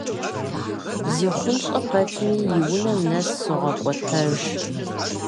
ЗихъунщӀэ пэтми, и унэм нэс согъэкӀуэтэж.